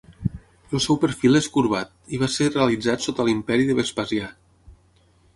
El seu perfil és corbat i va ser realitzat sota l'imperi de Vespasià.